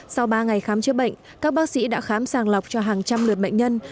sau ba ngày khám chữa bệnh các bác sĩ đã khám sàng lọc cho hàng trăm lượt bệnh nhân